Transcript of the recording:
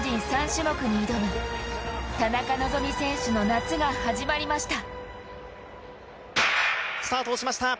３種目に挑む田中希実選手の夏が始まりました。